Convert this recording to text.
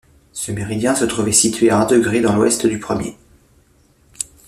Ce méridien se trouvait situé à un degré dans l’ouest du premier.